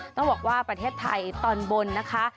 ต้องบอกว่าประเทศไทยตอนบนนะคะ